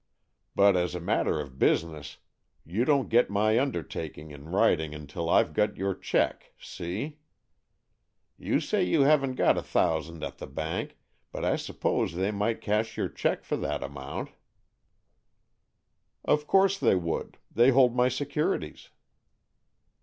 But as a matter of business, you don't get my undertaking in writing until I've got your cheque — see ? You say you haven't got a thousand at the bank, but I suppose they might cash your cheque for that amount." " Of course they would. They hold my securities."